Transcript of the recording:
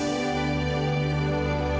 ya makasih ya